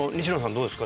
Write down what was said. どうですか？